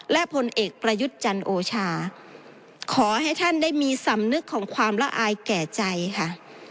และพลเอกประยุทธ์จันทร์โอชาขอให้ท่านได้มีสำนึกของความละอายแก่ใจค่ะ